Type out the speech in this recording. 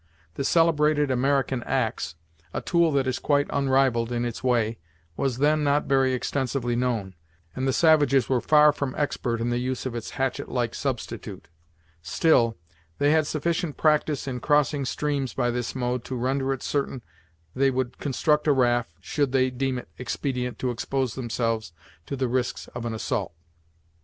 The celebrated American axe, a tool that is quite unrivalled in its way, was then not very extensively known, and the savages were far from expert in the use of its hatchet like substitute; still, they had sufficient practice in crossing streams by this mode to render it certain they would construct a raft, should they deem it expedient to expose themselves to the risks of an assault.